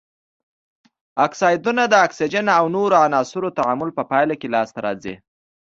اکسایدونه د اکسیجن او نورو عناصرو تعامل په پایله کې لاس ته راځي.